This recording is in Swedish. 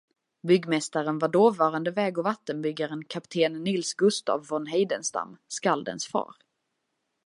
Byggmästaren var dåvarande väg- och vattenbyggaren kapten Nils Gustaf von Heidenstam, skaldens far.